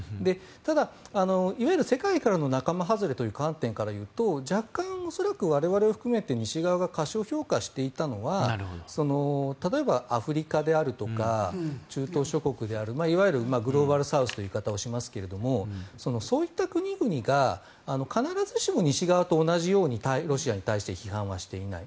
ただ、いわゆる世界からの仲間外れという観点から言うと若干、恐らく我々を含めて西側が過小評価していたのは例えばアフリカであるとか中東諸国であるとかいわゆるグローバルサウスという言い方をしますがそういった国々が必ずしも西側と同じようにロシアに対して批判はしていない。